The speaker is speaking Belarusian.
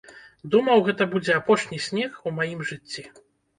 Думаў, гэта будзе апошні снег у маім жыцці.